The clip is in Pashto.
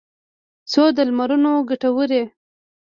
څو د لمرونو کټوري